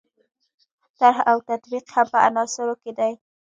طرح او تطبیق هم په عناصرو کې دي.